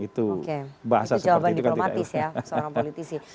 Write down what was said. itu jawaban diplomatis ya seorang politisi